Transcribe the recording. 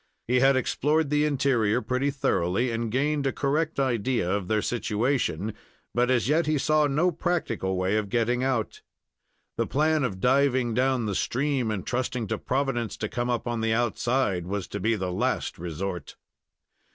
He had explored the interior pretty thoroughly, and gained a correct idea of their situation, but as yet he saw no practical way of getting out. The plan of diving down the stream, and trusting to Providence to come up on the outside was to be the last resort.